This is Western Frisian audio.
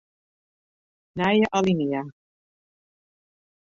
Nije alinea.